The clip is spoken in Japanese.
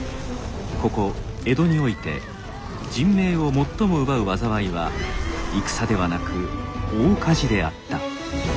ここ江戸において人命を最も奪う災いは戦ではなく大火事であった。